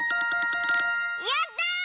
やった！